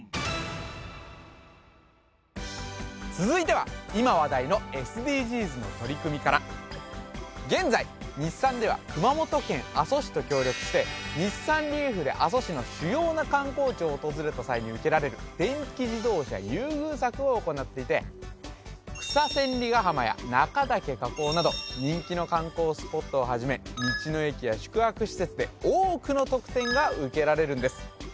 続いては今話題のＳＤＧｓの取り組みから現在日産では熊本県阿蘇市と協力して日産リーフで阿蘇市の主要な観光地を訪れた際に受けられる電気自動車優遇策を行っていて草千里ヶ浜や中岳火口など人気の観光スポットをはじめ道の駅や宿泊施設で多くの特典が受けられるんです